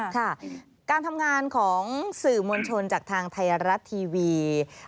ค่ะการทำงานของสื่อมวลชนจากทางไทยรัฐทีวี